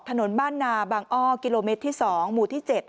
ถนนบ้านนาบางอ้อกิโลเมตรที่๒หมู่ที่๗